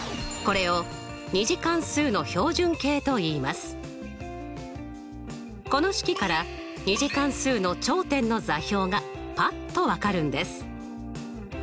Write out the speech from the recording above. −ｑを移項してこの式から２次関数の頂点の座標がパッとわかるんです！